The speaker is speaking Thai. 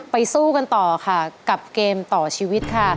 สู้กันต่อค่ะกับเกมต่อชีวิตค่ะ